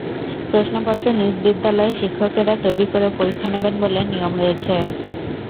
প্রশ্নপত্র নিজ বিদ্যালয়ের শিক্ষকেরা তৈরি করে পরীক্ষা নেবেন বলে নিয়ম রয়েছে।